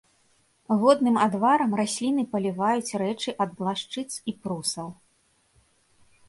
Водным адварам расліны паліваюць рэчы ад блашчыц і прусаў.